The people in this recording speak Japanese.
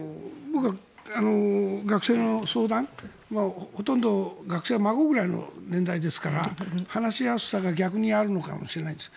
僕は学生の相談ほとんど学生は孫ぐらいの年代ですから話しやすさが逆にあるのかもしれないです。